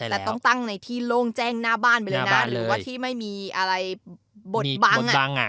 แต่ต้องตั้งในที่โล่งแจ้งหน้าบ้านไปเลยนะหรือว่าที่ไม่มีอะไรบดบัง